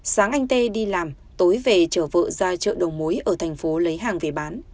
sáng anh tê đi làm tối về chở vợ ra chợ đầu mối ở thành phố lấy hàng về bán